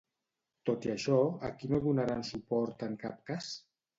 Tot i això, a qui no donaran suport en cap cas?